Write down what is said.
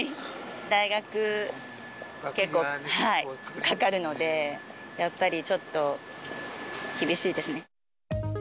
大学、結構、かかるので、やっぱりちょっと厳しいですね。